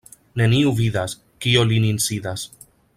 Neniu vidas, kio lin insidas.